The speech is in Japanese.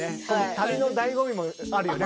旅の醍醐味もあるよね